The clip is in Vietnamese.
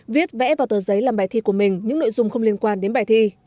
viết vẽ vào tờ giấy làm bài thi của mình những nội dung không liên quan đến bài thi